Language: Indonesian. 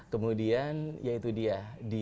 kemudian ya itu dia